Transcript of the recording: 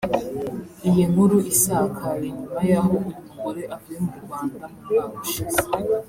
Iyi nkuru isakaye nyuma y’aho uyu mugore avuye mu Rwanda mumwaka ushize